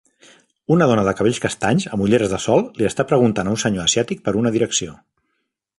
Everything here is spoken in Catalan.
Una dona de cabells castanys, amb ulleres de sol, li està preguntant a un senyor asiàtic per una direcció.